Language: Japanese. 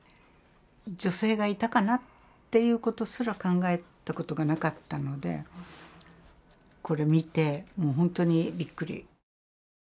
女性がいたかなっていうことすら考えたことがなかったのでこれ見てもう本当にびっくり。